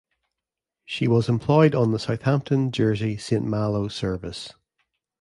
She was employed on the Southampton - Jersey - Saint Malo Service.